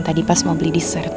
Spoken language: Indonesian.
tadi pas mau beli dessert